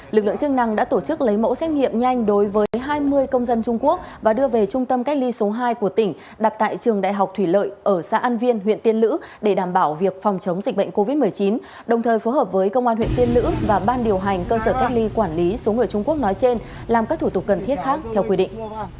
lực lượng chức năng đã tổ chức lấy mẫu xét nghiệm nhanh đối với hai mươi công dân trung quốc và đưa về trung tâm cách ly số hai của tỉnh đặt tại trường đại học thủy lợi ở xã an viên huyện tiên lữ để đảm bảo việc phòng chống dịch bệnh covid một mươi chín đồng thời phối hợp với công an huyện tiên lữ và ban điều hành cơ sở cách ly quản lý số người trung quốc nói trên làm các thủ tục cần thiết khác theo quy định